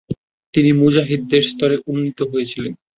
তিনি মুজতাহিদের স্তরে উন্নীত হয়েছিলেন।